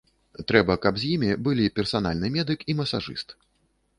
Трэба, каб з імі былі персанальны медык і масажыст.